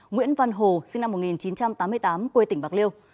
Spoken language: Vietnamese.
nguyễn văn hồ sinh năm một nghìn chín trăm tám mươi tám quê tỉnh bạc liêu